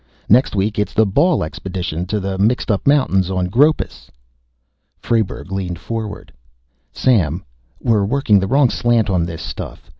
Next week, it's the Ball Expedition to the Mixtup Mountains on Gropus." Frayberg leaned forward. "Sam, we're working the wrong slant on this stuff....